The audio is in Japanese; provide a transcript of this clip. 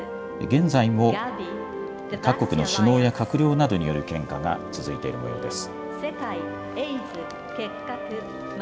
現在も各国の首脳や閣僚などによる献花が続いているもようです。